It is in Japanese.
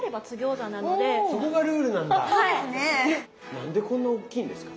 何でこんなおっきいんですか？